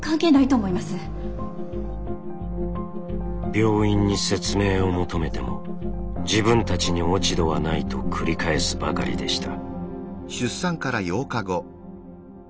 病院に説明を求めても自分たちに落ち度はないと繰り返すばかりでした。